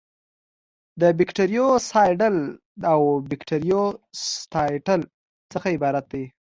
له بکټریوسایډل او بکټریوسټاټیک څخه عبارت دي.